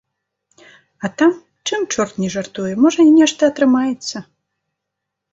А там, чым чорт не жартуе, можа, і нешта атрымаецца?